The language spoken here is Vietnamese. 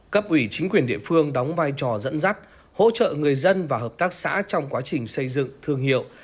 cấp ủy chính quyền địa phương đóng vai trò dẫn dắt hỗ trợ người dân và hợp tác xã trong quá trình xây dựng thương hiệu